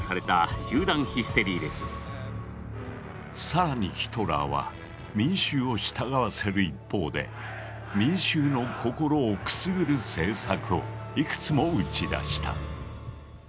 更にヒトラーは民衆を従わせる一方で民衆の心をくすぐる政策をいくつも打ち出した。